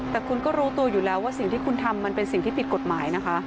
แต่คุณก็รู้ตัวอยู่แล้วว่าสิ่งที่คุณทำมันเป็นสิ่งที่ผิดกฎหมายนะคะ